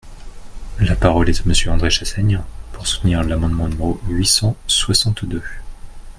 La parole est à Monsieur André Chassaigne, pour soutenir l’amendement numéro huit cent soixante-deux.